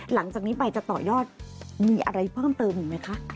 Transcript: หลังจากนี้ไปจะต่อยอดมีอะไรเพิ่มเติมอีกไหมคะ